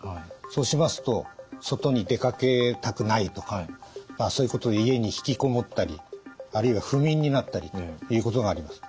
そうしますと外に出かけたくないとかそういうことで家に引きこもったりあるいは不眠になったりということがあります。